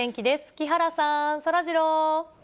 木原さん、そらジロー。